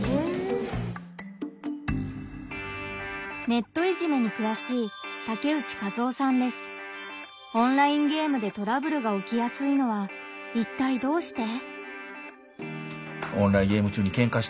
ネットいじめにくわしいオンラインゲームでトラブルが起きやすいのはいったいどうして？